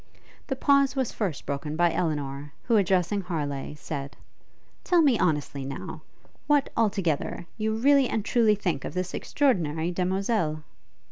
The pause was first broken by Elinor, who, addressing Harleigh, said, 'Tell me honestly, now, what, all together, you really and truly think of this extraordinary demoiselle?'